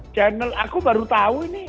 channel aku baru tahu ini